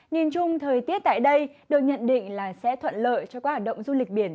nhìn chung thời tiết tại đây được nhận định là sẽ thuận lợi cho các hoạt động du lịch biển